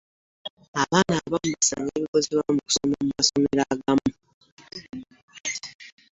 Abaana abamu basanga ebikozesebwa mu kusoma mu masomero agamu.